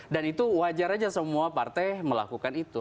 dan itu wajar aja semua partai melakukan itu